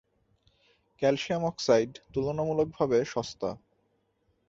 Calcium oxide তুলনামূলকভাবে সস্তা।